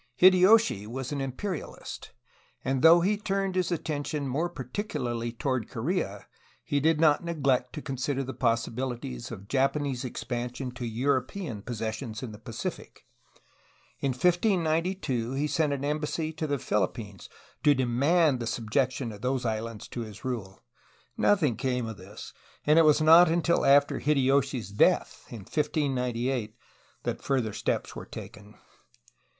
Hideyoshi was an imperialist, and though he turned his attention more particularly toward Korea did not neglect to consider the possibilities of Japanese expansion to European possessions in the Pacific. In 1592 he sent an embassy to the Philippines to demand the subjection of those islands to his rule. Nothing came of this, and it was not until after Hide yoshi's death, in 1598, that further steps were taken.